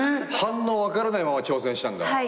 反応分からないまま挑戦したんだ。